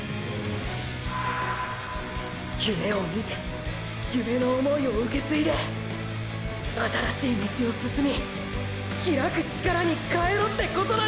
「夢」を見て夢の想いを受け継いで新しい「道」を進み拓く力に変えろってことなんだ！！